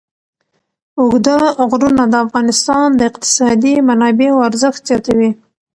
اوږده غرونه د افغانستان د اقتصادي منابعو ارزښت زیاتوي.